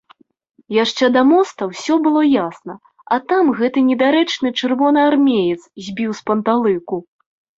Яшчэ да моста ўсё было ясна, а там гэты недарэчны чырвонаармеец збіў з панталыку.